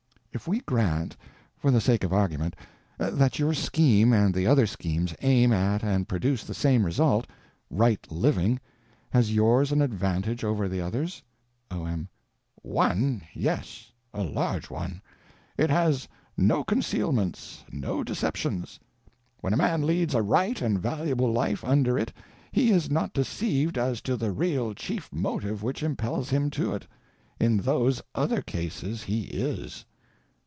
If we grant, for the sake of argument, that your scheme and the other schemes aim at and produce the same result—_right living—_has yours an advantage over the others? O.M. One, yes—a large one. It has no concealments, no deceptions. When a man leads a right and valuable life under it he is not deceived as to the _real _chief motive which impels him to it—in those other cases he is.